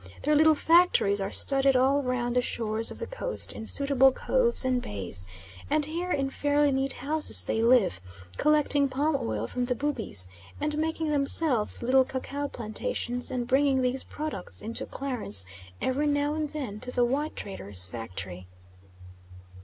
Their little factories are studded all round the shores of the coast in suitable coves and bays, and here in fairly neat houses they live, collecting palm oil from the Bubis, and making themselves little cacao plantations, and bringing these products into Clarence every now and then to the white trader's factory.